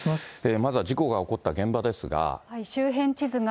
まずは事故が起こった現場ですが。